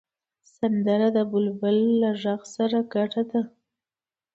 سندره د بلبله له غږ سره ګډه ده